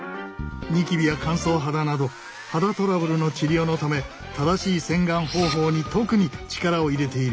ニキビや乾燥肌など肌トラブルの治療のため正しい洗顔方法に特に力を入れている。